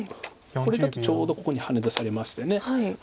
これだとちょうどここにハネ出されまして。